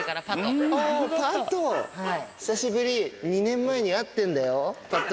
久しぶり、２年前に会ってるんだよ、パト。